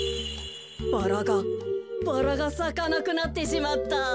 バラがバラがさかなくなってしまった。